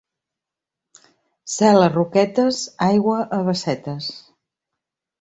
Cel a roquetes, aigua a bassetes.